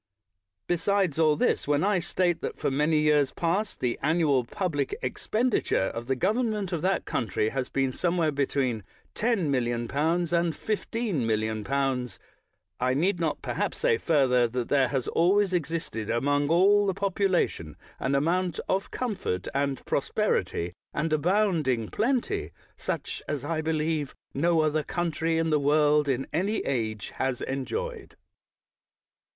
Besides all this, when I state that, for many years past, the annual pub lic expenditure of the government of that coun try has been somewhere between 10,000,000L and 15,000,000^., I need not perhaps say further that there has always existed among all the population an amount of comfort and prosperity and abounding plenty such as I believe no other country in the world, in any age, has enjoyed.